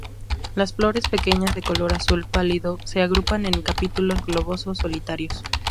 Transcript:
Las flores pequeñas de color azul pálido se agrupan en capítulos globosos solitarios.